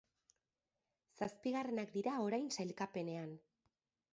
Zazpigarrenak dira orain sailkapenean.